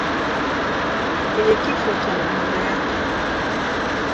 kwenye kifo cha mama yake.